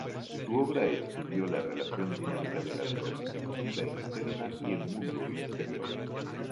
Su obra estudió la relación dinámica de la perspectiva interna y el mundo exterior.